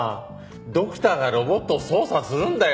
ドクターがロボットを操作するんだよ。